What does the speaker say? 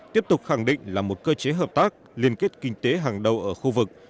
tiếp tục khẳng định là một cơ chế hợp tác liên kết kinh tế hàng đầu ở khu vực